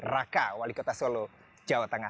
raka wali kota solo jawa tengah